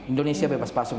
indonesia bebas pasung